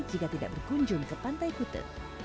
jika tidak berkunjung ke pantai kute